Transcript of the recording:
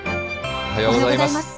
おはようございます。